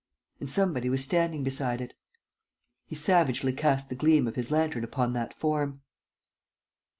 And somebody was standing beside it. He savagely cast the gleam of his lantern upon that form.